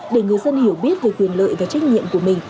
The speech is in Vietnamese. để người dân hiểu biết về quyền lợi và trách nhiệm của mình